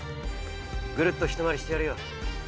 ぐるっとひと回りしてやるよ。